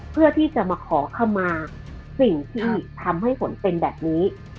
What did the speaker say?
เพื่อที่จะมาขอคำมาสิ่งที่ทำให้ฝนเป็นแบบนี้